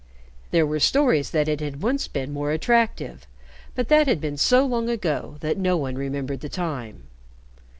There were stories that it had once been more attractive, but that had been so long ago that no one remembered the time.